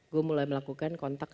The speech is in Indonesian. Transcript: gue mulai melakukan kontak